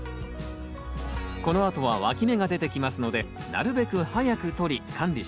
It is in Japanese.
このあとはわき芽が出てきますのでなるべく早くとり管理します。